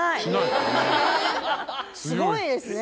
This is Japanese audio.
すごいですね。